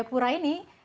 oleh pak ben hur